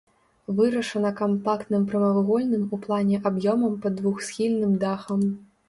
Вырашана кампактным прамавугольным у плане аб'ёмам пад двухсхільным дахам.